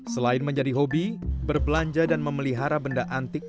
selain menjadi hobi berbelanja dan memelihara benda antik